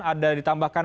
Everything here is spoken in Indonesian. ada di taman